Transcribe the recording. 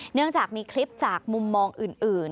เนื่องจากมีคลิปจากมุมมองอื่น